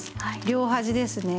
両端ですね